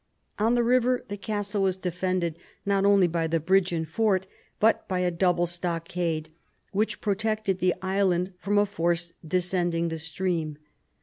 On the river the castle was defended not only by the bridge and fort, but by a double stockade, which protected the island from a force descending the stream.